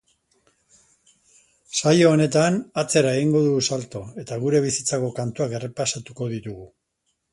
Saio honetan, atzera egingo dugu salto eta gure bizitzako kantuak errepasatuko ditugu.